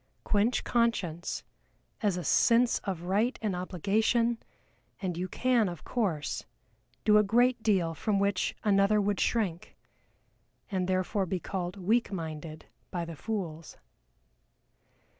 Quench conscience, as a sense of right and obligation, and you can, of course, do a great deal from which another would shrink and therefore be called "weak minded" by the fools.